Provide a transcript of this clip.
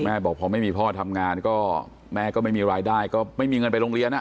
บอกพอไม่มีพ่อทำงานก็แม่ก็ไม่มีรายได้ก็ไม่มีเงินไปโรงเรียน